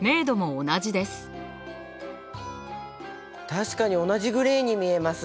確かに同じグレーに見えます。